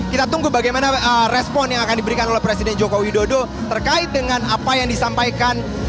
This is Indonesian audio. kita tunggu bagaimana respon yang akan diberikan oleh presiden joko widodo terkait dengan apa yang disampaikan